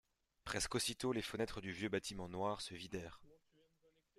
Presque aussitôt les fenêtres du vieux bâtiment noir se vidèrent.